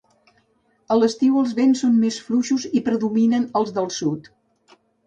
A l'estiu els vents són més fluixos i predominen els del sud.